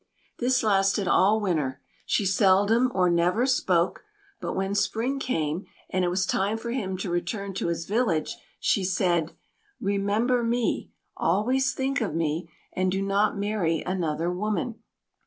This lasted all Winter; she seldom or never spoke; but when Spring came, and it was time for him to return to his village, she said, "Remember me, always think of me, and do not marry another woman."